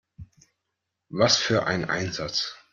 Was für ein Einsatz!